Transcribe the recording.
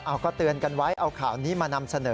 เอาก็เตือนกันไว้เอาข่าวนี้มานำเสนอ